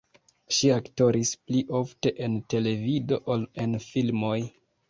Ŝi aktoris pli ofte en televido ol en filmoj.